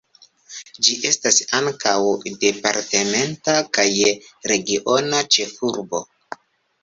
Ĝi estas ankaŭ departementa kaj regiona ĉefurbo.